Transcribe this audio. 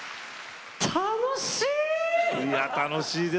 楽しい！